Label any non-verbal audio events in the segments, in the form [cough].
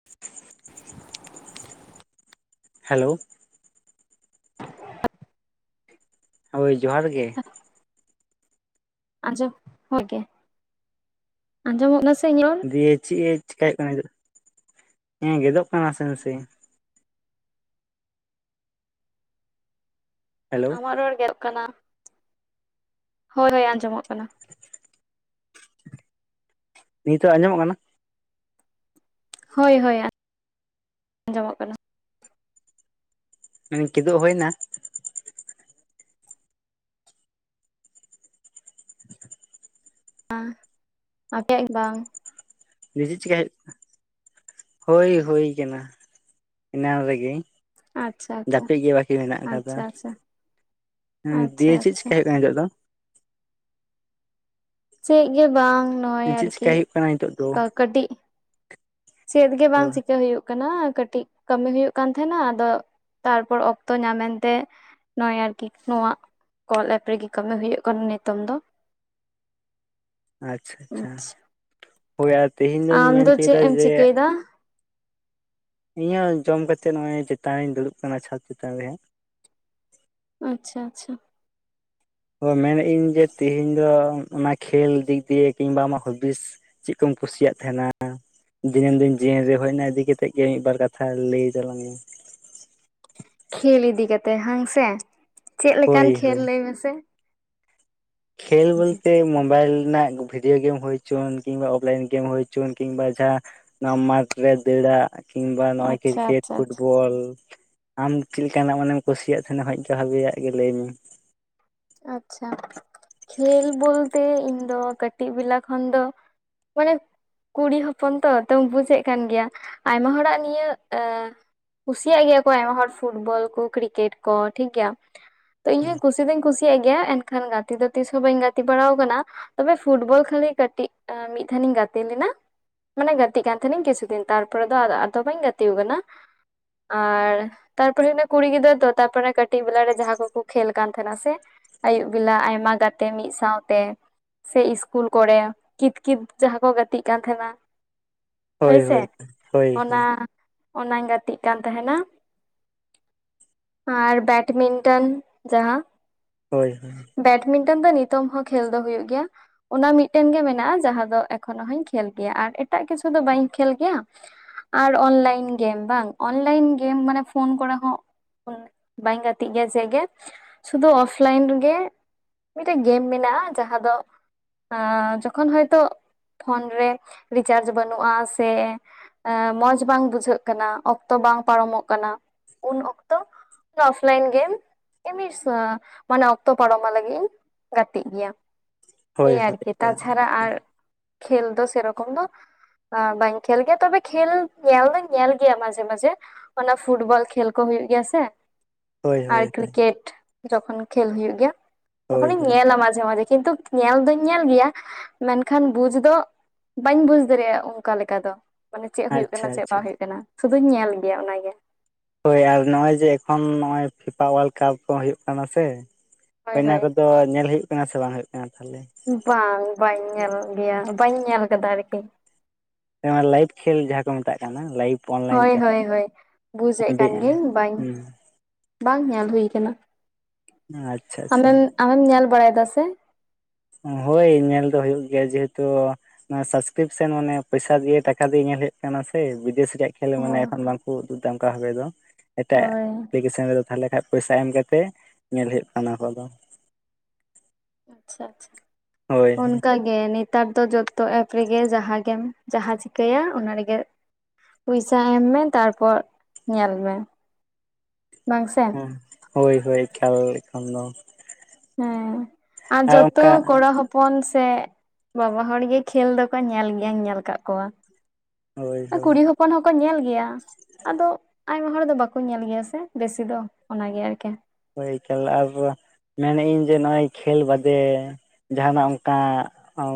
[inaudible] Hello ᱦᱳᱭ ᱡᱚᱦᱟᱨ ᱜᱮ ᱾ ᱟᱸᱡᱚᱢ [unintelligible] ᱜᱮ, ᱟᱸᱡᱚᱢᱚᱜ ᱠᱟᱱᱟ ᱥᱮ ᱤᱧᱟᱜ ᱨᱚᱲ ᱫᱤᱭᱮ ᱪᱮᱫ ᱮ ᱪᱮᱠᱟ ᱦᱩᱭᱩᱜ ᱠᱟᱱᱟ ᱱᱤᱛᱚᱜ ᱾ ᱦᱮᱸ ᱜᱮᱫᱚᱜ ᱱᱟᱥᱮ ᱱᱟᱥᱮ ᱦᱮᱞᱳ ᱟᱢᱟᱜ ᱨᱚᱲ ᱜᱮᱫ ᱠᱟᱱᱟ᱾ ᱦᱳᱭ ᱦᱳᱭ ᱟᱸᱡᱚᱢᱚᱜ ᱠᱟᱱᱟ ᱾ ᱱᱤᱛᱚᱜ ᱟᱸᱡᱚᱢᱚᱜ ᱠᱟᱱᱟ? ᱦᱳᱭᱻᱦᱳᱭ ᱟᱸᱡᱚᱢᱚᱜ ᱠᱟᱱᱟ ᱾ ᱢᱟᱱᱮ ᱠᱮᱫᱳ ᱦᱳᱭᱱᱟ᱾ [inaudible] ᱟᱯᱮᱭᱟᱜ ᱜᱮ ᱵᱟᱝ [unintelligible] ᱪᱤᱠᱟᱭ ᱦᱳᱭᱳᱜ ᱟᱠᱟᱱᱟ ᱾ ᱦᱳᱭ ᱦᱳᱭ ᱠᱟᱱᱟ ᱮᱱᱟᱱ ᱨᱮᱜᱮ ᱟᱪᱪᱷᱟ ᱾ ᱟᱪᱪᱷᱟ ᱡᱟᱹᱯᱤᱫ ᱜᱮ ᱵᱟᱹᱠᱤ ᱢᱮᱱᱟᱜ ᱠᱟᱫᱟ ᱟᱪᱪᱷᱟ ᱾ ᱟᱪᱪᱷᱟ ᱦᱩᱸ ᱟᱪᱪᱷᱟ ᱫᱮᱭᱮ ᱪᱮᱫ ᱟᱪᱪᱷᱟ ᱪᱮᱠᱟ ᱦᱩᱭᱩᱜ ᱠᱟᱱᱟ ᱱᱤᱛᱳᱜ ᱫᱚ? ᱪᱮᱫ ᱜᱮ ᱵᱟᱝ ᱱᱚᱜᱼᱚᱭ ᱪᱮᱫ ᱟᱨᱠᱤ ᱪᱮᱠᱟᱭ ᱦᱩᱭᱩᱜ ᱠᱟᱱᱟ ᱱᱤᱛᱚᱜ ᱫᱚ ᱠᱟᱹᱴᱤᱡ ᱪᱮᱫ ᱜᱮ ᱵᱟᱝ ᱪᱤᱠᱟᱹ ᱦᱩᱭᱩᱜ ᱠᱟᱱᱟ ᱠᱟᱹᱴᱤᱡ ᱠᱟᱹᱢᱤ ᱦᱩᱭᱩᱜ ᱠᱟᱱ ᱛᱟᱦᱮᱸᱱᱟ ᱟᱫᱚ ᱛᱟᱨᱯᱚᱨ ᱚᱠᱛᱚ ᱧᱟᱢ ᱮᱱᱛᱮ ᱱᱚᱜ-ᱚᱭ ᱟᱨᱠᱤ ᱱᱚᱣᱟ ᱠᱚᱞ ᱮᱯ ᱨᱮᱜᱮ ᱠᱟᱹᱢᱤ ᱦᱩᱭᱩᱜ ᱠᱟᱱᱟ ᱱᱤᱛᱚᱝ ᱫᱚ ᱾ ᱟᱪᱪᱷᱟ ᱟᱪᱪᱷᱟ, ᱦᱳᱭ ᱟᱨ ᱛᱮᱦᱮᱧ ᱫᱚᱧ ᱟᱢ ᱫᱚ ᱢᱮᱱ ᱪᱮᱫ ᱪᱚᱭᱫᱟ ᱮᱢ ᱡᱮ ᱪᱤᱠᱟᱹᱭᱮᱫᱟ ᱤᱧᱦᱚ ᱡᱚᱢ ᱠᱟᱛᱮᱜ ᱱᱚᱜᱚᱭ ᱪᱮᱛᱟᱱ ᱨᱤᱧ ᱫᱩᱲᱩᱵ ᱟᱠᱟᱱᱟ ᱪᱷᱟᱫᱽ ᱪᱮᱛᱟᱱ ᱨᱮ ᱦᱟᱸᱜ ᱾ ᱟᱪᱪᱷᱟᱻᱟᱪᱪᱷᱟᱻ᱾ ᱛ ᱢᱮᱱᱮᱜ ᱟᱹᱧ ᱡᱮ ᱛᱮᱦᱮᱧ ᱫᱚ ᱚᱱᱟ ᱠᱷᱮᱞ ᱫᱤᱠ ᱫᱤᱭᱮ ᱠᱤᱢᱵᱟ ᱟᱢᱟᱜ ᱦᱚᱵᱤᱥ? ᱪᱮᱫ ᱠᱚᱢ ᱠᱩᱥᱤᱭᱟᱜ ᱛᱟᱦᱮᱱᱟ? ᱫᱤᱱᱟᱹᱢ ᱫᱤᱱ ᱡᱤᱭᱤᱱ ᱨᱮ ᱦᱳᱭ ᱚᱱᱟ ᱤᱫᱤ ᱠᱟᱛᱮᱜ ᱜᱮ ᱢᱤᱫᱵᱟᱨ ᱠᱟᱛᱷᱟ ᱞᱟᱹᱭ ᱛᱟᱞᱟᱝ ᱢᱮᱧ ᱢᱮ ᱾ ᱠᱷᱮᱞ ᱤᱫᱤ ᱠᱟᱛᱮᱜ ᱦᱮᱸᱥᱮ ᱪᱮᱫ ᱦᱳᱭ ᱞᱮᱠᱟᱱ ᱦᱳᱭ ᱠᱷᱮᱞ ᱞᱟᱹᱭ ᱢᱮᱥᱮ? ᱠᱷᱮᱞ ᱵᱚᱞᱛᱮ ᱢᱳᱵᱟᱭᱤᱞ ᱨᱮᱱᱟᱜ ᱵᱷᱤᱰᱭᱳ ᱜᱮᱢ ᱦᱳᱭᱪᱚᱱ ᱠᱤᱝᱵᱟ ᱚᱯᱷᱞᱟᱭᱤᱱ ᱜᱮᱢ ᱦᱳᱪᱚᱱ ᱠᱤᱝᱵᱟ ᱡᱟᱦᱟᱸ ᱢᱟᱴᱷ ᱨᱮ ᱫᱟᱹᱲᱟᱜ? ᱠᱤᱢᱵᱟ ᱱᱚᱜᱼᱚᱭ ᱟᱪᱪᱷᱟ ᱠᱨᱤᱠᱮᱴ ᱟᱪᱪᱷᱟ ᱟᱪᱪᱷᱟ ᱯᱷᱩᱴᱵᱚᱞ? ᱟᱢ ᱪᱮᱜ ᱞᱮᱠᱟᱱᱟᱜ ᱢᱟᱱᱮᱢ ᱠᱩᱥᱤᱭᱟᱜ ᱛᱟᱦᱮᱸᱱᱟ ᱵᱷᱟᱹᱜᱤᱭᱟᱜ ᱜᱮ ᱞᱟᱹᱭ ᱢᱮ? ᱟᱪᱪᱷᱟ, ᱠᱷᱮᱞ ᱵᱚᱞᱛᱮ ᱤᱧ ᱫᱚ ᱠᱟᱹᱴᱤᱡ ᱵᱮᱞᱟ ᱠᱷᱚᱱ ᱫᱚ ᱢᱟᱱᱮ ᱠᱩᱲᱤ ᱦᱚᱯᱚᱱ ᱛᱚ ᱛᱚᱢ ᱵᱩᱡᱽ ᱮᱜ ᱠᱟᱱ ᱜᱮᱭᱟ ᱟᱭᱢᱟ ᱦᱚᱲᱟᱜ ᱱᱤᱭᱟᱹ, ᱟᱸ ᱠᱩᱥᱤᱭᱟᱜ ᱜᱮᱭᱟ ᱠᱚ ᱟᱭᱢᱟ ᱦᱚᱲ, ᱯᱷᱩᱴᱵᱚᱞ ᱠᱚ ᱠᱨᱤᱠᱮᱴ ᱠᱚ ᱴᱷᱤᱠ ᱜᱮᱭᱟ ᱛᱚ ᱤᱧᱦᱚᱸ ᱠᱩᱥᱤ ᱫᱩᱧ ᱠᱩᱥᱤᱭᱟᱜ ᱜᱮᱭᱟ, ᱮᱱᱠᱷᱟᱱ ᱜᱟᱛᱮ ᱫᱚ ᱛᱤᱥᱦᱚᱸ ᱵᱟᱹᱧ ᱜᱟᱛᱮ ᱵᱟᱲᱟᱣ ᱠᱟᱱᱟ ᱾ ᱛᱚᱵᱮ ᱯᱷᱩᱴᱵᱚᱞ ᱠᱷᱟᱹᱞᱤ ᱠᱟᱹᱴᱤᱡ ᱢᱤᱫ ᱫᱷᱟᱱᱤᱧ ᱜᱟᱛᱮ ᱞᱮᱱᱟ ᱾ ᱢᱟᱱᱮ ᱜᱟᱛᱮᱜ ᱠᱟᱱ ᱛᱟᱦᱮᱸᱱᱤᱧ ᱠᱤᱪᱷᱩ ᱫᱤᱱ ᱛᱟᱨᱯᱚᱨᱮ ᱫᱚ ᱟᱫᱚ ᱵᱟᱹᱧ ᱜᱟᱛᱮ ᱠᱟᱱᱟ, ᱟᱨ ᱛᱟᱨᱯᱚᱨᱮ ᱠᱩᱲᱤ ᱜᱤᱫᱽᱨᱟᱹ ᱫᱚ ᱛᱟᱨᱯᱚᱨᱮ ᱠᱟᱹᱴᱤᱡ ᱵᱮᱞᱟ ᱨᱮ ᱡᱟᱦᱟᱸ ᱠᱚᱠᱚ ᱠᱷᱮᱞ ᱠᱟᱱ ᱛᱟᱦᱮᱸᱱᱟ ᱥᱮ ᱟᱭᱩᱵ ᱵᱮᱞᱟ ᱟᱭᱢᱟ ᱜᱟᱛᱮ ᱢᱤᱫ ᱥᱟᱶᱛᱮ ᱥᱮ ᱤᱥᱠᱩᱞ ᱠᱚᱨᱮ ᱠᱤᱛ, ᱠᱤᱛ ᱡᱟᱦᱟᱸ ᱠᱚ ᱜᱟᱛᱮᱜ ᱠᱟᱱ ᱛᱟᱦᱮᱸᱱᱟ ᱦᱳᱭ ᱦᱳᱭᱥᱮ ᱦᱳᱭ ᱦᱳᱭ ᱚᱱᱟ ᱦᱳᱭ ᱚᱱᱟᱧ ᱜᱟᱛᱮᱜ ᱠᱟᱱ ᱛᱟᱦᱮᱸᱱᱟ ᱟᱨ ᱵᱮᱰᱢᱤᱱᱴᱚᱱ ᱡᱟᱦᱟᱸ ᱦᱳᱭᱻᱦᱳᱭᱻ᱾ ᱵᱮᱰᱢᱤᱱᱴᱚᱱ ᱫᱚ ᱱᱤᱛᱚᱝ ᱦᱚᱸ ᱠᱷᱮᱞ ᱫᱚ ᱦᱳᱭᱳ ᱜᱮᱭᱟ᱾ ᱚᱱᱟ ᱢᱤᱫᱴᱮᱱ ᱜᱮ ᱢᱮᱱᱟᱜᱼᱟ ᱡᱟᱦᱟᱸ ᱫᱚ, ᱮᱠᱷᱚᱱᱳ ᱦᱚᱸᱧ ᱠᱷᱮᱞ ᱜᱮᱭᱟ ᱟᱨ ᱮᱴᱟᱜ ᱠᱤᱪᱷᱩ ᱫᱚ ᱵᱟᱹᱧ ᱠᱷᱮᱞ ᱜᱮᱭᱟ᱾ ᱟᱨ ᱚᱱᱞᱟᱭᱤᱱ ᱜᱮᱢ ᱵᱟᱝ ᱚᱱᱞᱟᱭᱤᱱ ᱜᱮᱢ ᱢᱟᱱᱮ ᱯᱷᱳᱱ ᱠᱚᱨᱮ ᱦᱚᱸ ᱵᱟᱹᱧ ᱜᱟᱛᱮᱜ ᱜᱮᱭᱟ ᱪᱮᱫ ᱜᱮ ᱥᱩᱫᱩ ᱚᱯ ᱚᱯᱷᱞᱟᱭᱤᱱ ᱨᱮᱜᱮ ᱢᱤᱫᱴᱮᱡ ᱜᱮᱢ ᱢᱮᱱᱟᱜᱼᱟ ᱡᱟᱦᱟᱸ ᱫᱚ ᱡᱚᱠᱷᱚᱱ ᱦᱳᱭᱛᱳ ᱯᱷᱳᱱ ᱨᱮ ᱨᱤᱪᱟᱨᱡᱽ ᱵᱟᱹᱱᱩᱜᱼᱟ ᱥᱮ ᱢᱚᱸᱡᱽ ᱵᱟᱝ ᱵᱩᱡᱷᱟᱹᱜ ᱠᱟᱱᱟ, ᱚᱠᱛᱚ ᱵᱟᱝ ᱯᱟᱨᱚᱢᱚᱜ ᱠᱟᱱᱟ ᱩᱱ ᱚᱠᱛᱚ᱾ ᱚᱯᱷᱞᱟᱭᱤᱱ ᱜᱮᱢ ᱮᱢᱱᱤ ᱢᱟᱱᱮ ᱚᱠᱛᱚ ᱯᱟᱨᱚᱢᱚᱜ ᱞᱟᱹᱜᱤᱜ ᱤᱧ ᱜᱟᱛᱮᱜ ᱜᱮᱭᱟ, ᱦᱳᱭ ᱮᱭ ᱦᱳᱭ ᱟᱨᱠᱤ ᱦᱳᱭ ᱛᱟᱪᱷᱟᱲᱟ ᱟᱨ ᱠᱷᱮᱞ ᱫᱚ ᱥᱮᱨᱚᱠᱚᱢ ᱫᱚ ᱦᱸ ᱵᱟᱹᱧ ᱠᱷᱮᱞ ᱜᱮᱭᱟ ᱛᱚᱵᱮ ᱠᱷᱮᱞ ᱧᱮᱞ ᱫᱩᱧ ᱧᱮᱞ ᱜᱮᱭᱟ ᱢᱟᱡᱷᱮ ᱢᱟᱡᱷᱮ ᱚᱱᱟ ᱯᱷᱩᱴᱵᱚᱞ ᱠᱷᱮᱞ ᱠᱚ ᱦᱩᱭᱩᱜ ᱜᱮᱭᱟ ᱥᱮ ᱦᱳᱭ ᱟᱨ ᱦᱳᱭ ᱠᱨᱤᱠᱮᱴ ᱡᱚᱠᱷᱚᱱ ᱠᱷᱮᱞ ᱦᱩᱭᱩᱜ ᱜᱮᱭᱟ, ᱦᱳᱭ ᱛᱚᱠᱷᱚᱱᱤᱧ ᱦᱳᱭ ᱧᱮᱞᱟ ᱢᱟᱡᱷᱮ ᱢᱟᱡᱷᱮ ᱠᱤᱱᱛᱩ ᱧᱮᱞ ᱫᱩᱧ ᱧᱮᱞ ᱜᱮᱭᱟ ᱢᱮᱱᱠᱷᱟᱱ ᱵᱩᱡ ᱫᱚ ᱵᱟᱹᱧ ᱵᱩᱡ ᱫᱟᱲᱮᱭᱟᱜᱼᱟ, ᱚᱱᱠᱟ ᱞᱮᱠᱟ ᱫᱚ ᱢᱟᱱᱮ ᱪᱮᱫ ᱦᱳᱭᱳᱜ ᱟᱪᱪᱷᱟ ᱠᱟᱱᱟ ᱪᱮᱫ ᱟᱪᱪᱷᱟ ᱵᱟᱝ ᱦᱳᱭᱳᱜ ᱠᱟᱱᱟ ᱥᱩᱫᱩᱧ ᱧᱮᱞ ᱜᱮᱭᱟ ᱚᱱᱟᱜᱮ ᱦᱳᱭ ᱟᱨ ᱱᱚᱜᱼᱚᱭ ᱡᱮ ᱮᱠᱷᱚᱱ ᱱᱚᱜᱚᱭ ᱯᱷᱤᱯᱟ ᱚᱣᱟᱨᱞᱰ ᱠᱟᱯ ᱠᱚ ᱦᱩᱭᱩᱜ ᱠᱟᱱᱟ, ᱥᱮ ᱦᱳᱭ ᱚᱱᱟ ᱦᱳᱭ ᱠᱚᱫᱚ ᱛᱚ ᱧᱮᱞ ᱦᱩᱭᱩᱜ ᱠᱟᱱᱟ ᱥᱮ ᱵᱟᱝ ᱦᱩᱭᱩᱜ ᱠᱟᱱᱟ ᱛᱟᱦᱚᱞᱮ? ᱵᱟᱝ ᱵᱟᱹᱧ ᱧᱮᱞ ᱜᱮᱭᱟ ᱵᱟᱹᱧ ᱧᱮᱞ ᱠᱟᱫᱟ ᱟᱨᱠᱤ ᱞᱟᱭᱤᱵ ᱠᱷᱮᱞ ᱡᱟᱦᱟᱸ ᱠᱚ ᱢᱮᱛᱟᱜ ᱠᱟᱱᱟ ᱞᱟᱭᱤᱵ ᱚᱱᱞᱟᱭᱤᱱ ᱛᱮ ᱦᱳᱭᱻᱦᱳᱭᱻᱦᱳᱭᱻ᱾ ᱵᱩᱡᱮᱜ ᱠᱟᱱ ᱦᱩᱸ ᱜᱤᱭᱟᱹᱧ ᱵᱟᱧ ᱵᱟᱝ ᱧᱮᱞ ᱦᱩᱭ ᱠᱟᱱᱟ᱾ ᱟᱪᱪᱷᱟᱻᱟᱪᱪᱷᱟᱻ᱾ ᱟᱢᱮᱢ ᱟᱢᱮᱢ ᱧᱮᱞ ᱵᱟᱲᱟᱭ ᱫᱟ ᱥᱮ? ᱦᱳᱭ ᱧᱮᱞ ᱫᱚ ᱦᱩᱭᱩᱜ ᱜᱮᱭᱟ ᱡᱮᱦᱩᱛᱩ ᱱᱚᱣᱟ ᱥᱟᱵᱥᱠᱨᱤᱯᱥᱮᱱ ᱢᱟᱱᱮ ᱯᱚᱭᱥᱟ ᱫᱤᱭᱮ ᱴᱟᱠᱟ ᱫᱤᱭᱮ ᱧᱮᱞ ᱦᱩᱭᱩᱜ ᱠᱟᱱᱟ ᱥᱮ ᱵᱤᱫᱮᱥ ᱨᱮᱭᱟᱜ ᱠᱷᱮᱞ ᱚ ᱢᱟᱱᱮ ᱵᱟᱝ ᱠᱚ ᱫᱩᱫᱟᱝᱠᱟ ᱫᱟ ᱚᱱᱠᱟ ᱦᱚᱞᱮ ᱫᱚ ᱮᱴᱟᱜ ᱦᱳᱭ ᱮᱯᱞᱤᱠᱮᱥᱚᱱ ᱨᱮᱫᱚ ᱛᱟᱦᱚᱞᱮ ᱠᱷᱟᱱ ᱯᱚᱭᱥᱟ ᱮᱢ ᱠᱟᱛᱮ ᱧᱮᱞ ᱦᱩᱭᱩᱜ ᱠᱟᱱᱟ ᱚᱱᱟ ᱠᱚᱫᱚ᱾ ᱟᱪᱪᱷᱟ ᱟᱪᱪᱷᱟ ᱦᱳᱭ ᱚᱱᱠᱚ ᱜᱮ ᱱᱮᱛᱟᱨ ᱫᱚ ᱡᱚᱛᱚ ᱮᱯ ᱨᱮᱜᱮ ᱡᱟᱦᱟᱸ ᱜᱮᱢ ᱡᱟᱦᱟᱸ ᱪᱤᱠᱟᱹᱭᱟ ᱚᱱᱟ ᱨᱮᱜᱮ ᱯᱚᱭᱥᱟ ᱮᱢ ᱢᱮ ᱛᱟᱨᱯᱚᱨ ᱧᱮᱞ ᱢᱮ᱾ ᱵᱟᱝ ᱥᱮ ᱩᱸ ᱦᱳᱭ ᱦᱳᱭ ᱠᱷᱮᱞᱟ ᱮᱠᱷᱟᱱ ᱫᱚ ᱦᱮᱸ ᱟᱨ ᱡᱚᱛᱚ ᱠᱚᱲᱟ ᱦᱚᱯ ᱦᱚᱯᱚᱱ ᱥᱮ ᱵᱟᱵᱟ ᱦᱚᱲ ᱜᱮ ᱠᱷᱮᱞ ᱫᱚᱠᱚ ᱧᱮᱞ ᱜᱮᱭᱟᱧ ᱧᱮᱞ ᱟᱠᱟᱫ ᱠᱚᱣᱟ᱾ ᱦᱳᱭ ᱦᱳᱭ ᱠᱩᱲᱤ ᱦᱚᱯᱚᱱ ᱦᱚᱸᱠᱚ ᱧᱮᱞ ᱜᱮᱭᱟ᱾ ᱟᱫᱚ ᱟᱭᱳ ᱦᱚᱲ ᱫᱚ ᱵᱟᱠᱚ ᱧᱮᱞ ᱜᱮᱭᱟ ᱥᱮ ᱵᱮᱥᱤ ᱫᱚ ᱚᱱᱟᱜᱮ ᱟᱨᱠᱤ᱾ ᱦᱳᱭ ᱠᱷᱮᱞᱟ ᱠᱚ ᱢᱮᱱᱮᱫ ᱤᱧ ᱡᱮ ᱱᱚᱜᱼᱚᱭ ᱠᱷᱮᱞ ᱵᱟᱫᱮ ᱡᱟᱦᱟᱱᱟᱜ ᱚᱱᱠᱟ ᱟᱢ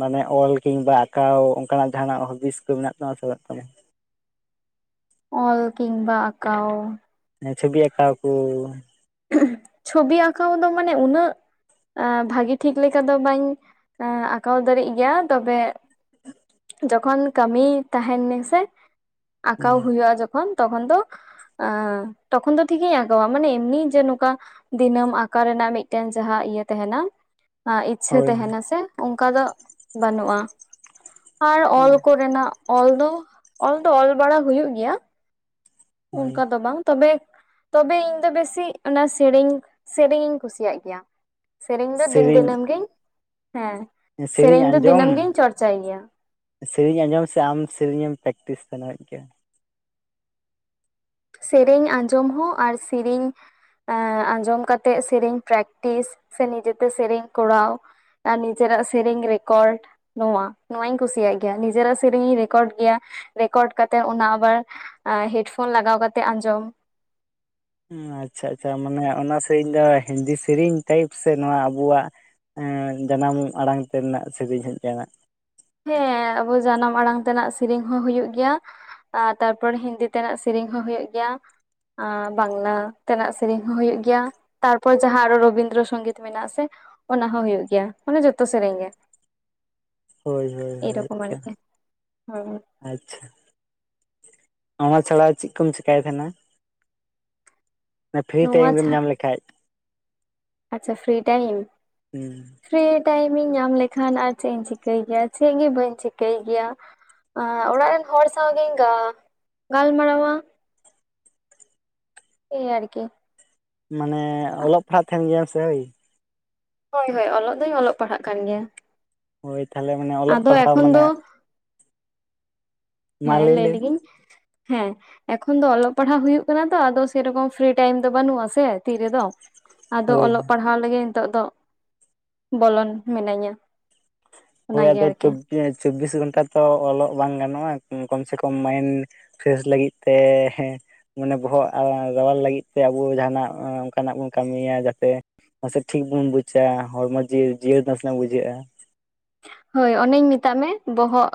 ᱢᱟᱱᱮ ᱚᱞ ᱠᱤᱝᱵᱟ ᱟᱸᱠᱟᱣ ᱚᱱᱠᱟᱱᱟᱜ ᱡᱟᱦᱟᱱᱟᱜ ᱦᱚᱵᱤᱥ ᱠᱚ ᱢᱮᱱᱟᱜ ᱛᱟᱢᱟ ᱪᱟᱞᱟᱜ ᱛᱟᱢᱟ? ᱚᱞ ᱠᱤᱢᱵᱟ ᱟᱸᱠᱟᱣ ᱪᱷᱚᱵᱤ ᱟᱸᱠᱟᱣ ᱠᱩ ᱪᱷᱚᱵᱤ ᱟᱸᱠᱟᱣ ᱫᱚ ᱢᱟᱱᱮ ᱩᱱᱟᱹᱜ ᱮᱸ ᱵᱷᱟᱜᱤ ᱴᱷᱤᱠ ᱞᱮᱠᱟ ᱫᱚ ᱵᱟᱹᱧ ᱟᱸᱠᱟᱣ ᱫᱟᱲᱮᱜ ᱜᱮᱭᱟ ᱛᱚᱵᱮ ᱡᱚᱠᱷᱚᱱ ᱠᱟᱹᱢᱤ ᱛᱟᱦᱮᱱᱤᱧ ᱥᱮ ᱟᱸᱠᱟᱣ ᱦᱩᱭᱩᱜᱼᱟ ᱡᱚᱠᱷᱚᱱ ᱛᱚᱠᱷᱚᱱ ᱫᱚ ᱛᱚᱠᱷᱚᱱ ᱫᱚ ᱴᱷᱤᱠᱤᱧ ᱟᱸᱠᱟᱣᱟ ᱢᱟᱱᱮ ᱮᱢᱱᱤ ᱡᱮ ᱱᱚᱝᱠᱟ ᱫᱤᱱᱟᱹᱢ ᱟᱠᱟᱸᱠᱟᱣ ᱨᱮᱱᱟᱜ ᱢᱤᱫᱴᱮᱱ ᱡᱟᱦᱟᱸ ᱤᱭᱟᱹ ᱛᱟᱦᱮᱱᱟ᱾ ᱤᱪᱪᱷᱟᱹ ᱦᱳᱭ ᱛᱟᱦᱮᱟᱸᱱᱟᱥᱮ ᱚᱱᱠᱟ ᱫᱚ ᱵᱟᱹᱱᱩᱜ-ᱟ᱾ ᱟᱨ ᱚᱞ ᱠᱚᱨᱮᱱᱟᱜ ᱚᱞ ᱫᱚ ᱚᱞ ᱫᱚ ᱚᱞ ᱵᱟᱲᱟ ᱦᱩᱭᱩᱜ ᱜᱮᱭᱟ᱾ ᱦᱳᱭ ᱚᱱᱠᱟ ᱫᱚ ᱵᱟᱝ᱾ ᱛᱚᱵᱮ ᱛᱚᱵᱮ ᱤᱧ ᱫᱚ ᱵᱮᱥᱤ ᱚᱱᱟ ᱥᱮᱨᱮᱧ ᱥᱮᱨᱮᱧᱤᱧ ᱠᱩᱥᱤᱭᱟᱜ ᱜᱮᱭᱟ᱾ ᱥᱮᱨᱮᱧ ᱫᱚ ᱫᱤᱱ ᱫᱤᱱᱟᱹᱢᱜᱤᱧ ᱦᱮᱸ ᱥᱮᱨᱮᱧ ᱫᱚ ᱫᱤᱱᱟᱹᱢ ᱜᱤᱧ ᱪᱚᱨᱪᱟᱭ ᱜᱮᱭᱟ᱾ ᱥᱮᱨᱮᱧ ᱟᱸᱡᱚᱢ ᱥᱮ ᱟᱢ ᱥᱮᱨᱮᱧ ᱮᱢ ᱯᱮᱠᱴᱤᱥ ᱛᱟᱱᱟᱜ ᱜᱮᱭᱟ᱾ ᱥᱮᱨᱮᱧ ᱟᱸᱡᱚᱢ ᱦᱚᱸ ᱟᱨ ᱥᱤᱨᱤᱧ ᱮᱸᱻ ᱟᱸᱡᱚᱢ ᱠᱟᱛᱮᱫ ᱥᱮᱨᱮᱧ ᱯᱨᱮᱠᱴᱤᱥ ᱥᱮ ᱱᱤᱡᱮ ᱛᱮ ᱥᱮᱨᱮᱧ ᱠᱚᱨᱟᱣ ᱟᱨ ᱱᱤᱡᱮᱨᱟᱜ ᱥᱮᱨᱮᱧ ᱨᱮᱠᱚᱨᱰ, ᱱᱚᱣᱟ ᱱᱚᱶᱟᱧ ᱠᱩᱥᱤᱭᱟᱜ ᱜᱮᱭᱟ, ᱱᱤᱡᱮᱨᱟᱜ ᱥᱮᱨᱮᱧ ᱤᱧ ᱨᱮᱠᱚᱨᱰ ᱜᱮᱭᱟ ᱨᱮᱠᱚᱨᱰ ᱠᱟᱛᱮᱫ ᱚᱱᱟ ᱟᱵᱟᱨ ᱟᱸ ᱦᱮᱰᱯᱷᱳᱱ ᱞᱟᱜᱟᱣ ᱠᱟᱛᱮᱫ ᱟᱸᱡᱚᱢ᱾ ᱟᱪᱪᱷᱟ ᱟᱪᱪᱷᱟ ᱢᱟᱱᱮ ᱚᱱᱟ ᱥᱮᱨᱮᱧ ᱫᱚ ᱦᱤᱱᱫᱤ ᱥᱮᱨᱮᱧ ᱴᱟᱭᱤᱯ ᱥᱮ ᱱᱚᱣᱟ ᱟᱵᱚᱣᱟᱜ ᱮᱸᱻ ᱡᱟᱱᱟᱢ ᱟᱲᱟᱝ ᱛᱮ ᱨᱮᱱᱟᱜ ᱥᱮᱨᱮᱧ ᱦᱮᱡ [inaudible] ᱦᱮᱸ ᱟᱵᱚ ᱡᱟᱱᱟᱢ ᱟᱲᱟᱝ ᱛᱮᱱᱟᱜ ᱥᱮᱨᱮᱧ ᱦᱚᱸ ᱦᱩᱭᱩᱜ ᱜᱮᱭᱟ᱾ ᱟᱨ ᱛᱟᱨᱯᱚᱨᱮ ᱦᱤᱱᱫᱤ ᱛᱮᱱᱟᱜ ᱥᱮᱨᱮᱧ ᱦᱚᱸ ᱦᱩᱭᱩᱜ ᱜᱮᱭᱟ᱾ ᱟ ᱵᱟᱝᱞᱟ ᱛᱮᱱᱟᱜ ᱥᱮᱨᱮᱧ ᱦᱚᱸ ᱦᱳᱭᱳᱜ ᱜᱮᱭᱟ᱾ ᱛᱟᱨ ᱯᱚᱨ ᱡᱟᱦᱟᱸ ᱟᱨᱦᱚᱸ ᱨᱚᱵᱤᱱᱫᱨᱚ ᱥᱚᱝᱜᱤᱛ ᱢᱮᱱᱟᱜ-ᱟ ᱥᱮ ᱚᱱᱟ ᱦᱚᱸ ᱦᱳᱭᱳᱜ ᱜᱮᱭᱟ ᱢᱟᱱᱮ ᱡᱚᱛᱚ ᱥᱮᱨᱮᱧ ᱜᱮ᱾ ᱦᱳᱭ ᱦᱳᱭ ᱦᱳᱭ ᱮᱭᱨᱚᱠᱚᱢ ᱟᱨᱠᱤ ᱦᱮᱸ [inaudible] ᱟᱪᱪᱷᱟ ᱚᱱᱟ ᱪᱷᱟᱲᱟ ᱪᱮᱫ ᱠᱚᱢ ᱪᱮᱠᱟᱭ ᱛᱟᱦᱮᱫ-ᱟ? ᱯᱷᱤᱨᱤ ᱱᱚᱣᱟ ᱴᱟᱭᱤᱢ ᱨᱮᱢ ᱪᱷᱟ ᱧᱟᱢ ᱞᱮᱠᱷᱟᱡ᱾ ᱟᱪᱪᱷᱟ ᱯᱷᱤᱨᱤ ᱴᱟᱭᱤᱢ? ᱯᱷᱤᱨᱤ ᱴᱟᱭᱤᱢ ᱤᱧ ᱧᱟᱢ ᱞᱮᱠᱷᱟᱱ ᱟᱨ ᱪᱮᱫ ᱤᱧ ᱪᱤᱠᱟᱹᱭ ᱜᱮᱭᱟ ᱪᱮᱫ ᱜᱮ ᱵᱟᱹᱧ ᱪᱤᱠᱟᱹᱭ ᱜᱮᱭᱟ᱾ [unintelligible] ᱚᱲᱟᱜ ᱨᱮᱱ ᱦᱚᱲ ᱥᱟᱶ ᱜᱤᱧ ᱜᱟᱱ ᱜᱟᱞᱢᱟᱨᱟᱣᱟ᱾ ᱳᱭ ᱟᱨᱠᱤ᱾ ᱢᱟᱱᱮ ᱚᱞᱚᱜ ᱯᱟᱲᱦᱟᱜ ᱠᱟᱱ ᱜᱮᱭᱟᱢ ᱥᱮ ᱦᱳᱭ᱾ ᱦᱳᱭ ᱦᱳᱭ ᱚᱞᱚᱜ ᱫᱚᱧ ᱚᱞᱚᱜ ᱯᱟᱲᱦᱟᱜ ᱠᱟᱱ ᱜᱮᱭᱟ᱾ ᱦᱳᱭ ᱛᱟᱦᱞᱮ ᱢᱟᱱᱮ ᱚᱞᱚᱜ ᱟᱫᱚ ᱯᱟᱲᱦᱟᱣ ᱮᱠᱷᱚᱱ ᱢᱟᱱᱮ ᱫᱚ ᱢᱟ ᱦᱮᱸ ᱞᱟᱹᱭ ᱞᱮᱢ ᱞᱮᱜᱤᱧ ᱦᱮᱸ᱾ ᱮᱠᱷᱚᱱ ᱫᱚ ᱚᱞᱚᱜ ᱯᱟᱲᱦᱟᱜ ᱦᱩᱭᱩᱜ ᱠᱟᱱᱟ ᱛᱚ ᱟᱫᱚ ᱥᱮᱨᱚᱠᱚᱢ ᱯᱷᱤᱨᱤ ᱴᱟᱭᱤᱢ ᱫᱚ ᱵᱟᱹᱱᱩᱜ- ᱥᱮ ᱛᱤ ᱨᱮᱫᱚ᱾ ᱟᱫᱚ ᱦᱳᱭ ᱚᱞᱚᱜ ᱯᱟᱲᱦᱟᱣ ᱞᱮᱜᱮ ᱱᱤᱛᱚᱜ ᱫᱚ ᱵᱚᱞᱚᱱ ᱢᱤᱱᱟᱹᱧᱟ᱾ ᱦᱳᱭ ᱚᱱᱟᱜᱮ ᱟᱫᱚ ᱟᱨᱠᱤ ᱪᱚᱵᱵᱤᱥ ᱜᱷᱚᱱᱴᱟ ᱛᱚ ᱚᱞᱚᱜ ᱵᱟᱝ ᱜᱟᱱᱚᱜᱼᱟ ᱠᱚᱢ ᱥᱮ ᱠᱚᱢ ᱢᱟᱭᱤᱱᱰ ᱯᱷᱮᱥ ᱞᱟᱹᱜᱤᱫ ᱛᱮ ᱦᱮᱸ ᱢᱟᱱᱮ ᱵᱚᱦᱚᱜ ᱨᱟᱣᱟᱞ ᱞᱟᱹᱜᱤᱫ ᱛᱮ ᱟᱵᱚ ᱡᱟᱦᱟᱱᱟᱜ ᱚᱱᱠᱟᱱᱟᱜ ᱵᱚᱱ ᱠᱟᱹᱢᱤᱭᱟ ᱡᱟᱛᱮ ᱢᱟᱥᱮ ᱴᱷᱤᱠ ᱵᱚᱱ ᱵᱩᱡᱟᱹ ᱦᱚᱲᱢᱚ ᱡᱤᱭᱟᱹ ᱡᱤᱭᱟᱹᱲ ᱱᱟᱥᱮᱱᱟᱜ ᱵᱩᱡᱷᱟᱹᱜᱼᱟ ᱦᱳᱭ ᱚᱱᱮᱧ ᱢᱮᱛᱟᱜ ᱢᱮ ᱵᱚᱦᱚᱜ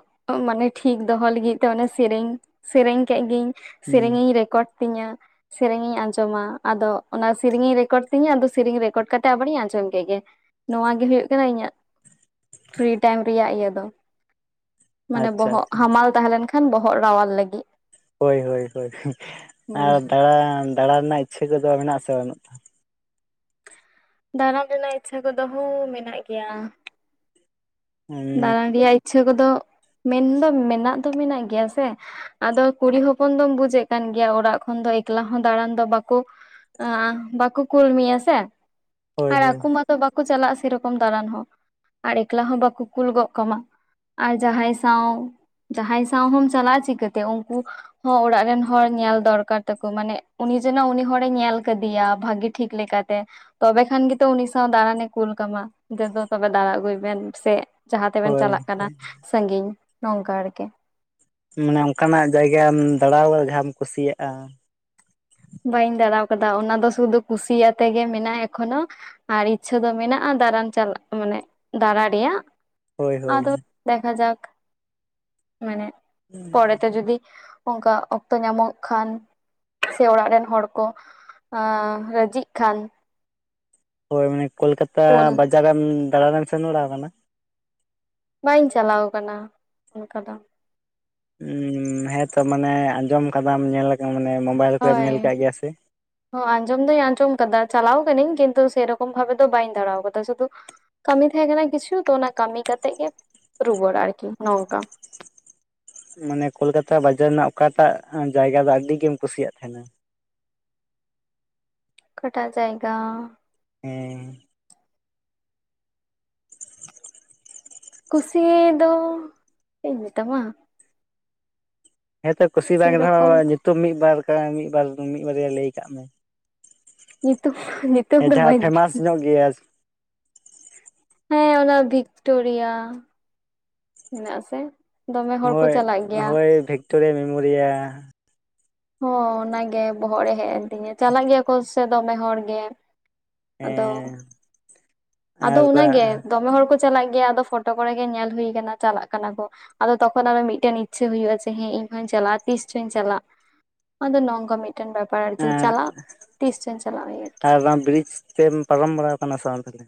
ᱢᱟᱱᱮ ᱴᱷᱤᱠ ᱫᱚᱦᱚ ᱞᱟᱹᱜᱤᱫ ᱛᱮ ᱚᱱᱮ ᱥᱮᱨᱮᱧ ᱥᱮᱨᱮᱧ ᱠᱮᱜ ᱜᱤᱭᱟᱹᱧ ᱦᱩᱸ ᱥᱮᱨᱮᱧ ᱤᱧ ᱨᱮᱠᱚᱨᱰ ᱛᱤᱧᱟᱹ ᱥᱮᱨᱮᱧ ᱤᱧ ᱟᱸᱡᱚᱢ-ᱟ ᱟᱫᱚ ᱚᱱᱟ ᱥᱮᱨᱮᱧ ᱤᱧ ᱨᱮᱠᱚᱨᱰ ᱛᱤᱧᱟᱹ ᱟᱫᱚ ᱥᱮᱨᱮᱧ ᱨᱮᱠᱚᱨᱰ ᱠᱟᱛᱮᱜ ᱟᱵᱟᱨ ᱤᱧ ᱟᱸᱡᱚᱢ ᱠᱮᱫ ᱜᱮ ᱱᱚᱣᱟ ᱜᱮ ᱦᱳᱭᱳᱜ ᱠᱟᱱᱟ ᱤᱧᱟᱹᱜ ᱯᱷᱤᱨᱤ ᱴᱟᱭᱤᱢ ᱨᱮᱭᱟᱜ ᱤᱭᱟᱹ ᱫᱚ ᱢᱟᱱᱮ ᱟᱪᱪᱷᱟ ᱵᱚᱦᱚᱜ ᱟᱪᱪᱷᱟ ᱦᱟᱢᱟᱞ ᱛᱟᱦᱮᱸ ᱞᱮᱱ ᱠᱷᱟᱱ ᱵᱚᱦᱚᱜ ᱨᱟᱣᱟᱞ ᱞᱟᱹᱜᱤᱫ ᱦᱳᱭ ᱦᱳᱭ ᱦᱳᱭ ᱦᱩᱸ ᱟᱨ ᱫᱟᱬᱟ ᱫᱟᱬᱟ ᱨᱮᱱᱟᱜ ᱤᱪᱪᱷᱟᱹ ᱠᱚᱫᱚ ᱢᱮᱱᱟᱜ ᱟᱥᱮ ᱵᱟᱱᱩᱜ ᱫᱟᱨᱟ ᱨᱮᱱᱟᱜ ᱤᱪᱪᱷᱟᱹ ᱠᱚᱫᱚ ᱦᱩᱸ ᱢᱮᱱᱟᱜ ᱜᱮᱭᱟ ᱫᱟᱬᱟᱱ ᱨᱮᱭᱟᱜ ᱤᱪᱪᱷᱟᱹ ᱠᱚᱫᱚ ᱢᱮᱱ ᱫᱚ ᱢᱮᱱᱟᱜ ᱫᱚ ᱢᱮᱱᱟᱜ ᱜᱮᱭᱟ ᱥᱮ ᱟᱫᱚ ᱠᱩᱲᱤ ᱦᱚᱯᱚᱱ ᱫᱚᱢ ᱵᱩᱡᱽ ᱮᱫ ᱠᱟᱱ ᱜᱮᱭᱟ ᱚᱲᱟᱜ ᱠᱷᱚᱱ ᱫᱚ ᱮᱠᱞᱟ ᱦᱚᱸ ᱫᱟᱬᱟᱱ ᱫᱚ ᱵᱟᱠᱚ ᱟ ᱵᱟᱠᱚ ᱠᱩᱞ ᱢᱮᱭᱟ ᱥᱮ ᱦᱳᱭ ᱟᱨ ᱦᱳᱭ ᱟᱠᱚ ᱢᱟᱛᱚ ᱵᱟᱠᱚ ᱪᱟᱞᱟᱜᱼᱟ ᱥᱮᱨᱚᱠᱚᱢ ᱫᱟᱬᱟᱱ ᱦᱚᱸ ᱟᱨ ᱮᱠᱞᱟ ᱦᱚᱸ ᱵᱟᱠᱚ ᱠᱩᱞ ᱜᱚᱜ ᱠᱟᱢᱟ ᱟᱨ ᱡᱟᱦᱟᱸᱭ ᱥᱟᱶ ᱡᱟᱦᱟᱸᱭ ᱥᱟᱶ ᱦᱚᱢ ᱪᱟᱞᱟᱜᱼᱟ ᱪᱤᱠᱟᱹ ᱛᱮ ᱩᱱᱠᱩ ᱦᱚᱸ ᱚᱲᱟᱜ ᱨᱮᱱ ᱦᱚᱲ ᱧᱮᱞ ᱫᱚᱨᱠᱟᱨ ᱛᱟᱠᱚ ᱢᱟᱱᱮ ᱩᱱᱤ ᱡᱮᱱᱚ ᱩᱱᱤ ᱦᱚᱲᱮ ᱧᱮᱞ ᱠᱟᱫᱮᱭᱟ ᱵᱷᱟᱜᱤ ᱴᱷᱤᱠ ᱞᱮᱠᱟ ᱛᱮ ᱛᱚᱵᱮ ᱠᱷᱟᱱ ᱜᱮᱛᱚ ᱩᱱᱤ ᱥᱟᱶ ᱫᱟᱬᱟᱱ ᱮ ᱠᱩᱞ ᱠᱟᱢᱟ [unintelligible] ᱛᱚᱵᱮ ᱫᱟᱬᱟ ᱟᱹᱜᱩᱭ ᱵᱮᱱ ᱥᱮ ᱡᱟᱦᱟᱸ ᱛᱮ ᱵᱮᱱ ᱦᱳᱭ ᱪᱟᱞᱟᱜ ᱠᱟᱱᱟ ᱥᱟᱺᱜᱤᱧ ᱱᱚᱝᱠᱟ ᱟᱨᱠᱮ ᱢᱟᱱᱮ ᱚᱱᱠᱟᱱ ᱟᱜ ᱡᱟᱭᱜᱟᱢ ᱫᱟᱲᱟ [inaudible] ᱡᱟᱦᱟᱸᱢ ᱠᱩᱥᱤᱭᱟᱜᱼᱟ ᱵᱟᱹᱧ ᱫᱟᱬᱟ ᱠᱟᱫᱟ ᱚᱱᱟ ᱫᱚ ᱥᱩᱫᱷᱩ ᱠᱩᱥᱤ ᱟᱛᱮ ᱜᱮ ᱢᱮᱱᱟᱜᱼᱟ ᱮᱠᱷᱚᱱᱚ ᱟᱨ ᱤᱪᱪᱷᱟᱹ ᱫᱚ ᱢᱮᱱᱟᱜᱼᱟ ᱫᱟᱨᱟᱱ ᱪᱟᱞᱟᱜ ᱢᱟᱱᱮ ᱫᱟᱛᱟ ᱨᱮᱭᱟᱜ ᱦᱳᱭ ᱦᱳᱭ ᱟᱫᱚ ᱫᱮᱠᱟ ᱡᱟᱠ ᱢᱟᱱᱮ ᱯᱚᱨᱮ ᱛᱮ ᱡᱩᱫᱤ ᱚᱱᱠᱟ ᱚᱠᱛᱚ ᱧᱟᱢᱚᱜ ᱠᱷᱟᱱ, ᱥᱮ ᱚᱲᱟᱜ ᱨᱮᱱ ᱦᱚᱲ ᱠᱚ ᱟᱸ ᱨᱟᱹᱡᱤᱜ ᱠᱷᱟᱱ, ᱦᱳᱭ ᱢᱟᱱᱮ ᱠᱳᱞᱠᱟᱛᱟ ᱠᱳᱞ ᱵᱟᱡᱟᱨᱮᱢ ᱫᱟᱬᱟᱱᱮᱢ ᱥᱮᱱ ᱵᱟᱲᱟ ᱟᱠᱟᱱᱟ? ᱵᱟᱹᱧ ᱪᱟᱞᱟᱣ ᱟᱠᱟᱱᱟ ᱚᱱᱠᱟ ᱫᱚ ᱩᱸ ᱦᱮᱸᱛᱚ ᱢᱟᱱᱮ ᱟᱸᱡᱚᱢ ᱟᱠᱟᱫᱟᱢ ᱧᱮᱞ ᱢᱟᱱᱮ ᱢᱳᱵᱟᱭᱤᱞ ᱠᱟᱨᱮᱢ ᱧᱮᱞ ᱦᱳᱭ ᱟᱠᱟᱫ ᱜᱮᱭᱟ ᱥᱮ? ᱟᱸᱡᱚᱢ ᱫᱚᱧ ᱟᱸᱡᱚᱢ ᱟᱠᱟᱫᱟ ᱪᱟᱞᱟᱣ ᱠᱟᱹᱱᱟᱹᱧ ᱠᱤᱱᱛᱩ ᱥᱮᱨᱚᱠᱚᱢ ᱵᱷᱟᱵ ᱫᱚ ᱵᱟᱹᱧ ᱫᱟᱬᱟ ᱟᱠᱟᱫᱟ ᱥᱩᱫᱩ ᱠᱟᱹᱢᱤ ᱛᱟᱦᱮᱸ ᱠᱟᱱᱟ ᱠᱤᱪᱷᱩ ᱛᱚ ᱚᱱᱟ ᱠᱟᱹᱢᱤ ᱠᱟᱛᱮᱜ ᱜᱮ ᱨᱩᱣᱟᱹᱲᱟ ᱟᱨᱠᱤ ᱱᱚᱝᱠᱟ ᱢᱟᱱᱮ ᱠᱳᱞᱠᱟᱛᱟ ᱵᱟᱡᱟᱨ ᱨᱮᱱᱟᱜ ᱚᱠᱟᱴᱟᱜ ᱡᱟᱭᱜᱟ ᱫᱚ ᱟᱹᱰᱤᱜᱤᱢ ᱠᱩᱥᱤᱭᱟᱜ ᱛᱟᱦᱮᱱᱟ? ᱚᱠᱟᱴᱟ ᱡᱟᱭᱜᱟ ᱦᱮᱸ ᱠᱩᱥᱤ ᱫᱚ ᱪᱮᱫ ᱤᱧ ᱢᱮᱛᱟᱢ-ᱟ ᱦᱮᱸᱛᱚ ᱠᱩᱥᱤ ᱵᱟᱝ ᱥᱮᱨᱚᱠᱚᱢ ᱨᱮᱦᱚᱸ ᱧᱩᱛᱩᱢ ᱢᱤᱫ ᱵᱟᱨ ᱢᱤᱫ ᱵᱟᱨ ᱢᱤᱫ ᱵᱟᱨᱭᱟ ᱞᱟᱹᱭ ᱠᱟᱜ ᱢᱮ᱾ ᱧᱩᱛᱩᱢ ᱱᱤᱛᱚ ᱫᱚ ᱵᱟᱹᱧ ᱞᱟᱹᱭᱟ᱾ ᱜᱮᱭᱟᱥ ᱦᱮᱸ ᱚᱱᱟ ᱵᱷᱤᱠᱴᱳᱨᱤᱭᱟ᱾ ᱢᱮᱱᱟᱜ ᱟᱥᱮ ᱫᱚᱢᱮ ᱦᱚᱲ ᱠᱚ ᱦᱳᱭ ᱪᱟᱞᱟᱜ ᱜᱮᱭᱟ ᱦᱳᱭ ᱵᱷᱤᱠᱴᱳᱨᱤᱭᱟ ᱢᱮᱢᱳᱨᱤᱭᱟ ᱦᱚᱸ ᱚᱱᱟᱜᱮ ᱵᱚᱦᱚᱜ ᱨᱮ ᱦᱮᱡ ᱮᱱ ᱛᱤᱧᱟ ᱪᱟᱞᱟᱜ ᱜᱮᱭᱟ ᱠᱚ ᱥᱮ ᱫᱚᱢᱮ ᱦᱚᱲ ᱜᱮ᱾ ᱟᱫᱚ ᱦᱮᱸ ᱟᱫᱚ ᱟᱨ ᱚᱱᱟᱜᱮ ᱫᱚᱢᱮ ᱦᱚᱲ ᱠᱚ ᱪᱟᱞᱟᱜ ᱜᱮᱭᱟ ᱟᱫᱚ ᱯᱷᱳᱴᱳ ᱠᱚᱨᱮ ᱜᱮ ᱧᱮᱞ ᱦᱩᱭ ᱟᱠᱟᱱᱟ ᱪᱟᱞᱟᱜ ᱠᱟᱱᱟ ᱠᱚ᱾ ᱟᱫᱚ ᱛᱚᱠᱷᱚᱱ ᱟᱨᱚ ᱢᱤᱫᱴᱮᱱ ᱤᱪᱪᱟᱹ ᱦᱩᱭᱩᱜᱼᱟ ᱡᱮᱸ ᱤᱧ ᱦᱚᱧ ᱪᱟᱞᱟᱜᱼᱟ ᱛᱤᱥ ᱪᱚᱧ ᱪᱟᱞᱟᱜ ᱟᱫᱚ ᱱᱚᱝᱠᱟ ᱢᱤᱫᱴᱮᱱ ᱵᱮᱯᱟᱨ ᱟᱨᱠᱤ ᱮᱸ ᱪᱟᱞᱟᱜ ᱛᱤᱥ ᱪᱚᱧ ᱪᱟᱞᱟᱜ ᱤᱭᱟᱹ ᱟᱨᱠᱤ᱾ [unintelligible] ᱵᱨᱤᱡᱽ ᱛᱮᱢ ᱯᱟᱨᱚᱢ ᱵᱟᱲᱟ ᱟᱠᱟᱱᱟ ᱥᱟᱶ ᱛᱟᱦᱞᱮ?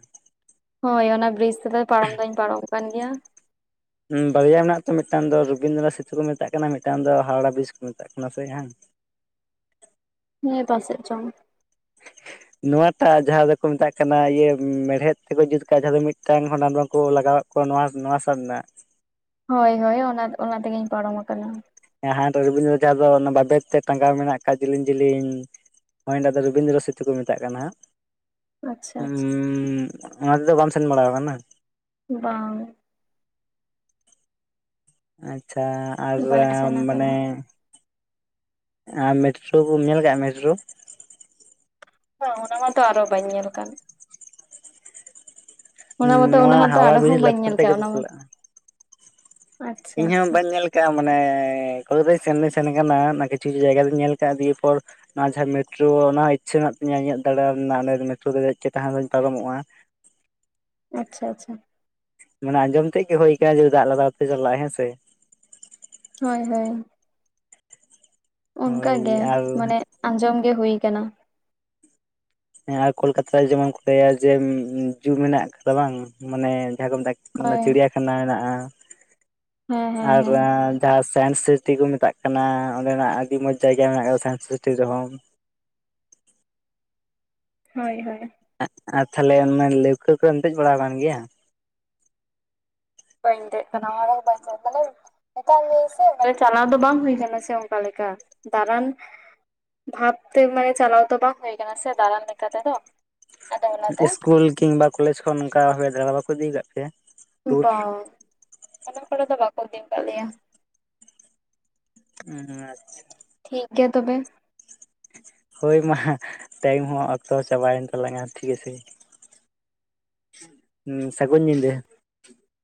ᱦᱳᱭ ᱚᱱᱟ ᱵᱨᱤᱡᱽ ᱛᱮᱫᱚ ᱯᱟᱨᱚᱢ ᱫᱚᱧ ᱯᱟᱨᱚᱢ ᱠᱟᱱ ᱜᱮᱭᱟ᱾ ᱵᱟᱨᱭᱟ ᱢᱮᱱᱟᱜ ᱛᱚ ᱢᱤᱫᱴᱟᱝ ᱫᱚ ᱨᱚᱵᱤᱱᱫᱨᱚᱱᱟᱛᱷ ᱥᱤᱛᱩ ᱠᱚ ᱢᱮᱛᱟᱜ ᱠᱟᱱᱟ ᱢᱤᱫᱴᱟᱝ ᱫᱚ ᱦᱟᱣᱲᱟ ᱵᱤᱡ ᱠᱚ ᱢᱮᱛᱟᱜ ᱠᱟᱱᱟ ᱥᱮ ᱦᱟᱸᱜ ᱱᱤᱭᱟᱹ ᱯᱟᱥᱮᱡ ᱪᱚᱝ [unintelligible] ᱱᱚᱣᱟᱴᱟᱜ ᱡᱟᱦᱟᱸ ᱫᱚᱠᱚ ᱢᱮᱛᱟᱜ ᱠᱟᱱᱟ ᱤᱭᱟᱹ ᱢᱮᱲᱦᱮᱫ ᱛᱮᱠᱚ ᱡᱩᱛ ᱠᱟᱜᱼᱟ ᱡᱟᱦᱟᱸ ᱫᱚ ᱢᱤᱫᱴᱟᱝ ᱦᱚᱸ ᱱᱟᱴ ᱵᱟᱠᱚ ᱞᱟᱜᱟᱣᱟᱜ ᱠᱟᱱᱟ᱾ ᱱᱚᱣᱟ ᱱᱚᱣᱟ ᱥᱟᱵ ᱨᱮᱱᱟᱜ ᱦᱳᱭ ᱦᱳᱭ ᱚᱱᱟ ᱚᱱᱟ ᱛᱮᱜᱮᱧ ᱯᱟᱨᱚᱢ ᱟᱠᱟᱱᱟ᱾ ᱨᱚᱵᱤᱱᱫᱡᱟ ᱫᱚ ᱚᱱᱟ ᱵᱟᱵᱮᱫ ᱛᱮ ᱴᱟᱸᱜᱟᱣ ᱢᱮᱱᱟᱜ ᱠᱷᱫ ᱡᱮᱞᱮᱧ ᱡᱮᱞᱤᱧ ᱱᱚᱦᱚᱭ ᱫᱟ ᱫᱚ ᱨᱚᱵᱤᱱᱫᱨᱚ ᱥᱤᱛᱩ ᱠᱚ ᱢᱮᱛᱟᱜ ᱠᱟᱱᱟ ᱦᱟᱸᱜ ᱟᱪᱪᱷᱟ ᱟᱪᱪᱷᱟ ᱚᱱᱟ ᱛᱮᱫᱚ ᱵᱟᱢ ᱥᱮᱱ ᱵᱟᱲᱟ ᱠᱟᱱᱟ ᱵᱟᱝ ᱟᱪᱪᱷᱟ ᱵᱟᱹᱧ ᱟᱨ ᱥᱮᱱ ᱢᱟᱱᱮ ᱟᱠᱟᱱᱟ ᱟᱨ ᱢᱮᱴᱨᱳ ᱵᱚᱱ ᱧᱮᱞ ᱠᱟᱜᱼᱟ ᱢᱮᱴᱨᱳ ᱦᱮ ᱚᱱᱟ ᱢᱟᱛᱚ ᱟᱨᱚ ᱵᱟᱹᱧ ᱧᱮᱞ ᱠᱟᱱ᱾ ᱦᱚᱸ ᱚᱱᱟ ᱢᱟᱛᱚ ᱚᱱᱟ ᱱᱚᱣᱟ ᱦᱚᱸᱛᱚ ᱦᱟᱣᱲᱟ ᱟᱨᱦᱚᱸ ᱵᱤᱨᱤᱡ ᱵᱟᱹᱧ ᱞᱟᱛᱟᱨ ᱧᱮᱞ ᱠᱟᱜ ᱛᱮᱜᱛᱚ ᱚᱱᱟ ᱢᱟ ᱪᱟᱞᱟᱜᱼᱟ᱾ ᱟᱪᱪᱷᱟ ᱤᱧ ᱦᱚᱸ ᱟᱪᱪᱷᱟ ᱵᱟᱹᱧ ᱧᱮᱞ ᱢᱟᱱᱮ ᱠᱚᱞ ᱫᱚ ᱥᱮᱱ ᱞᱮ ᱥᱮᱱ ᱠᱟᱱᱟ ᱚᱱᱟ ᱠᱤᱪᱷᱩ ᱠᱤᱪᱷᱩ ᱡᱟᱭᱜᱟ ᱫᱚᱧ ᱧᱮᱞ ᱟᱠᱟᱫ ᱫᱤᱭᱮ ᱯᱚᱨ ᱚᱱᱟ ᱡᱟᱦᱟᱸ ᱢᱮᱴᱨᱳ ᱚᱱᱟ ᱦᱚᱸ ᱤᱪᱪᱷᱟᱹ ᱢᱮᱱᱟᱜ ᱛᱤᱧᱟᱹ ᱤᱧᱟᱹᱜ ᱫᱟᱬᱟᱱ ᱨᱮᱱᱟᱜ ᱚᱸᱰᱮ ᱢᱮᱴᱨᱳ ᱨᱮ ᱪᱮᱫ ᱛᱟᱦᱮᱱ ᱫᱚᱧ ᱯᱟᱨᱚᱢᱚᱜᱼᱟ᱾ ᱟᱪᱪᱷᱟ ᱟᱪᱪᱷᱟ ᱢᱟᱱᱮ ᱟᱸᱡᱚᱢ ᱛᱮᱫ ᱜᱮ ᱦᱩᱭ ᱟᱠᱟᱱᱟ ᱡᱮ ᱫᱟᱜ ᱞᱟᱜᱟᱣ ᱛᱮ ᱪᱟᱞᱟᱜᱼᱟ ᱦᱮᱸ ᱥᱮ᱾ ᱦᱳᱭ ᱦᱳᱭ ᱦᱳᱭ ᱚᱱᱠᱟᱜᱮ ᱟᱨ ᱢᱟᱱᱮ ᱦᱮᱸ ᱟᱸᱡᱚᱢᱜᱤ ᱦᱳᱭ ᱟᱠᱟᱱᱟ᱾ ᱦᱮᱸ ᱟᱨ ᱠᱳᱞᱠᱟᱛᱟ ᱨᱮ ᱡᱮᱢᱚᱱ ᱠᱚ ᱞᱟᱹᱭᱟ ᱡᱮ ᱡᱩ ᱢᱮᱱᱟᱜ ᱠᱟᱫᱟ ᱵᱟᱝ ᱢᱟᱱᱮ ᱡᱟᱸᱦᱟᱠᱚ ᱢᱮᱛᱟᱜ ᱚᱱᱟ ᱦᱳᱭ ᱪᱤᱲᱤᱭᱟ ᱠᱷᱟᱱᱟ ᱦᱮᱱᱟᱜ ᱦᱮᱸ ᱦᱮᱸ ᱟᱨ ᱦᱮᱸ ᱡᱟᱦᱟᱸ ᱥᱟᱭᱮᱱ ᱥᱤᱛᱤ ᱠᱚ ᱢᱮᱛᱟᱜ ᱠᱟᱱᱟ ᱚᱸᱰᱮᱱᱟᱜ ᱟᱹᱰᱤ ᱢᱚᱸᱡᱽ ᱡᱟᱭᱜᱟ ᱢᱮᱱᱟᱜ ᱟᱠᱟᱫᱟ ᱥᱟᱭᱮᱱᱥ ᱥᱤᱛᱤ ᱨᱮᱦᱚᱸ ᱦᱳᱭ ᱦᱳᱭ [inaudible] ᱟᱨ ᱛᱟᱦᱚᱞᱮ ᱚᱱᱟ ᱞᱟᱹᱣᱠᱟᱹ ᱠᱚᱢ ᱫᱮᱡ ᱵᱟᱲᱟ ᱠᱟᱱ ᱜᱮᱭᱟ ᱵᱟᱭ ᱫᱮᱡ ᱠᱟᱱᱟ [inaudible] ᱢᱮᱛᱟᱜ ᱢᱤᱭᱤᱧ ᱥᱮ ᱪᱟᱞᱟᱣ ᱫᱚ ᱵᱟᱝ ᱦᱩᱭ ᱟᱠᱟᱱᱟ ᱥᱮ ᱚᱱᱠᱟ ᱞᱮᱠᱟ ᱫᱟᱬᱟᱱ ᱵᱷᱟᱵᱛᱮ ᱢᱟᱱᱮ ᱪᱟᱞᱟᱣ ᱛᱚ ᱵᱟᱝ ᱦᱩᱭ ᱠᱟᱱᱟ ᱥᱮ ᱫᱟᱬᱟᱱ ᱞᱮᱠᱟ ᱛᱮᱫᱚ ᱟᱫᱚ ᱚᱱᱟᱛᱮ ᱤᱥᱠᱩᱞ ᱠᱤᱝᱵᱟ ᱠᱚᱞᱮᱡᱽ ᱠᱷᱚᱱ ᱚᱱᱠᱟ ᱦᱚᱭ ᱫᱟᱬᱟ ᱵᱟᱠᱚ ᱤᱫᱤᱠᱟᱫ ᱯᱮᱭᱟ ᱴᱩᱨ? ᱵᱟᱝ ᱵᱟᱠᱚ ᱤᱫᱤ ᱠᱟᱜ ᱞᱮᱭᱟ ᱦᱩᱸ ᱟᱪᱪᱷᱟ ᱴᱷᱤᱠ ᱜᱮᱭᱟ ᱛᱚᱵᱮ᱾ ᱦᱳᱭ ᱢᱟ ᱴᱟᱭᱤᱢ ᱦᱚᱸ ᱚᱠᱛᱚ ᱪᱟᱵᱟᱭᱮᱱ ᱛᱟᱞᱟᱝᱼᱟ ᱴᱷᱤᱠ ᱟᱪᱷᱮ ᱦᱩᱸ ᱥᱟᱹᱜᱩᱱ ᱧᱤᱫᱟᱹ᱾